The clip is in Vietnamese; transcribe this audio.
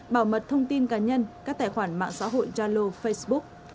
bảo mật thông tin cá nhân các tài khoản mạng xã hội trang lô facebook